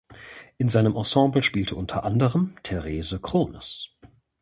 In seinem Ensemble spielte unter anderem Therese Krones.